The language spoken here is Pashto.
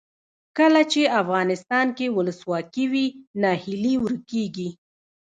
کله چې افغانستان کې ولسواکي وي ناهیلي ورکیږي.